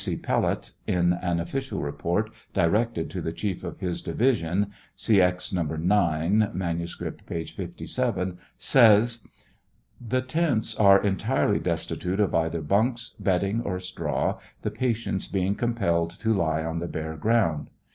0. Pelut, in an official report directed to the chief of his division, (see Ex. No. 9 ; manuscript, p. 57,) says: The tents aro entirely destitute of either bunks, bedding, or straw, the patients being com pelled to lie on the bare ground.